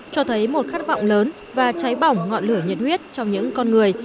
cho thấy một khát vọng lớn và cháy bỏng ngọn lửa nhiệt huyết trong những con người